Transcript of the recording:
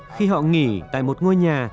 lần thứ ba khi họ nghỉ tại một ngôi nhà